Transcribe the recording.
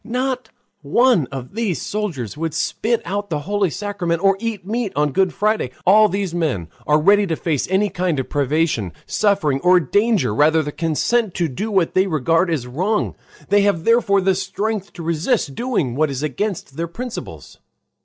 Not one of these soldiers would spit out the holy sacrament or eat meat on Good Friday. All these men are ready to face any kind of privation, suffering, or danger rather than consent to do what they regard as wrong. They have therefore the strength to resist doing what is against their principles.